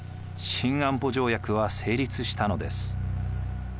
新安保条約は成立したのです。